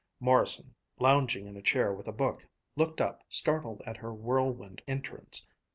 Morrison, lounging in a chair with a book, looked up, startled at her whirlwind entrance.